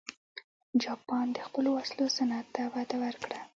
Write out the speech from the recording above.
جاپان د خپلو وسلو صنعت ته وده ورکړه.